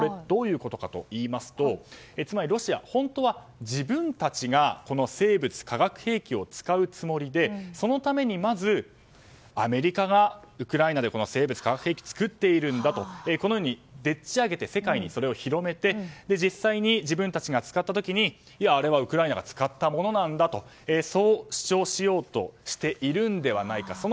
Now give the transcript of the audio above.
どういうことかといいますとつまり、ロシアは本当は自分たちが生物・化学兵器を使うつもりでそのために、まずアメリカがウクライナで生物・化学兵器を作っているんだとこのようにでっち上げて世界にそれを広めて実際に自分たちが使った時にあれはウクライナが使ったものなんだとそう主張しようとしているのではないか。